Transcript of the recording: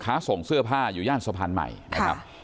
ค้าส่งเสื้อผ้าอยู่ย่านสะพานใหม่นะครับ